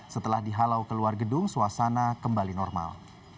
setelah dihalau keluar gedung suasana kembali normal